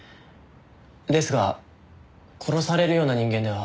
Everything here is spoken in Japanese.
ですが殺されるような人間では。